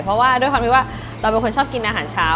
เพราะว่าด้วยความที่ว่าเราเป็นคนชอบกินอาหารเช้า